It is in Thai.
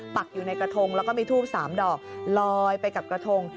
ปักอยู่ในกระทงแล้วก็มีทูบ๓ดอกลอยไปกับกระทง